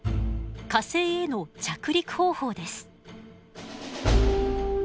火星への着陸方法です。